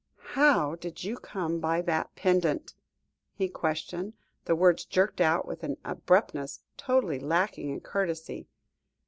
"How did you come by that pendant?" he questioned, the words jerked out with an abruptness totally lacking in courtesy.